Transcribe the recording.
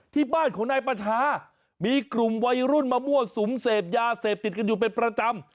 ที่บ้านของนายประชามีกลุ่มวัยรุ่นมามั่วสุมเสพยาเสพติดกันอยู่เป็นประจำ